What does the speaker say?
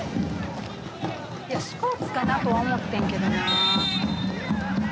スポーツかなとは思ってんけどな。